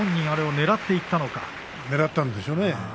ねらったんでしょうね。